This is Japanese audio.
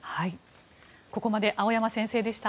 ここまで青山先生でした。